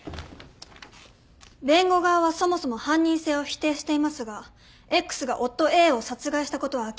弁護側はそもそも犯人性を否定していますがＸが夫Ａを殺害したことは明らかです。